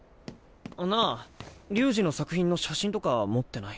なあ龍二の作品の写真とか持ってない？